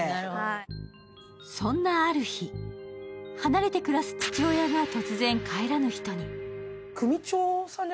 そんなある日、離れて暮らす父親が突然帰らぬ人に。